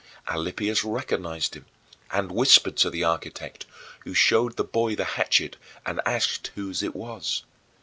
Alypius recognized him, and whispered to the architect, who showed the boy the hatchet and asked whose it was.